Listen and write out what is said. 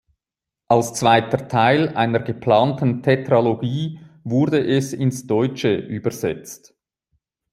Als zweiter Teil einer geplanten Tetralogie wurde es ins Deutsche übersetzt.